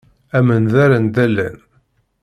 Amendeṛ anda llan.